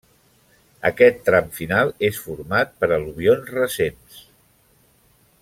Aquest tram final és format per al·luvions recents.